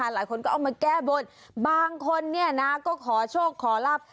หลายคนก็เอามาแก้บนบางคนเนี่ยนะก็ขอโชคขอรับ